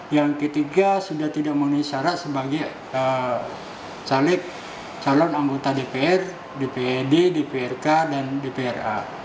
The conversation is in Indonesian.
yang ketiga sudah tidak memenuhi syarat sebagai caleg calon anggota dpr dprd dprk dan dpra